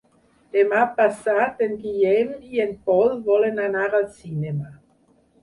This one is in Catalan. Demà passat en Guillem i en Pol volen anar al cinema.